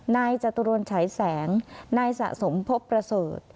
จตุรนฉายแสงนายสะสมพบประเสริฐ